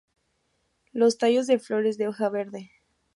Los tallos de flores de hoja verde.